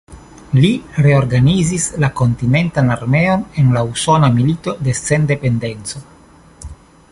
Li reorganizis la kontinentan armeon en la Usona Milito de Sendependeco.